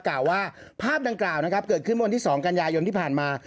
กล่าวว่าภาพดังกล่าวนะครับเกิดขึ้นวันที่๒กันยายนที่ผ่านมา